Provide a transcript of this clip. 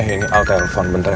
eh ini al telpon bentar ya